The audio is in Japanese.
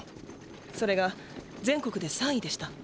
それが全国で３位でした。